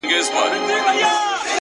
• شرنګولي مي د میو ګیلاسونه ,